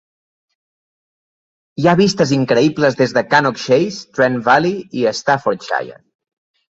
Ho ha vistes increïbles des de Cannock Chase, Trent Valley i Staffordshire.